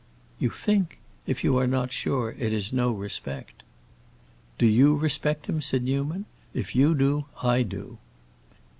"You think? If you are not sure, it is no respect." "Do you respect him?" said Newman. "If you do, I do."